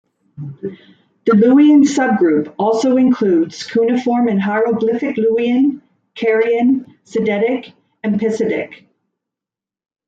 The Luwian subgroup also includes cuneiform and hieroglyphic Luwian, Carian, Sidetic, and Pisidic.